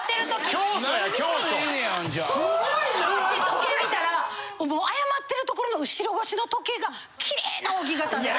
時計見たら謝ってるところの後ろ越しの時計がきれいな扇形で。